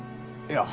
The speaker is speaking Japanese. いや。